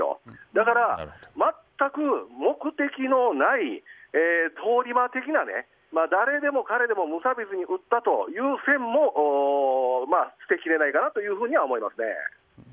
だから全く目的のない通り魔的な誰でも彼でも無差別に撃ったという線も捨てきれないかなと思いますね。